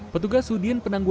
petugas udin penanggung